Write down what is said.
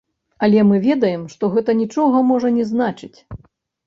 Але мы ведаем, што гэта нічога можна не значыць.